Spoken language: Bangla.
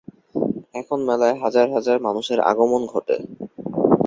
এখনও মেলায় হাজার হাজার মানুষের আগমন ঘটে।